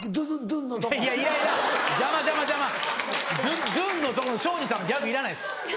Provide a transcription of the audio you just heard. ドゥンのとこショージさんのギャグいらないです。